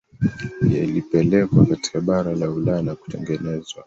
Yilipelekwa katika bara la Ulaya na kutengenezwa